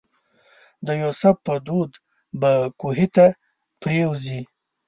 د یوسف په دود به کوهي ته پرېوځي.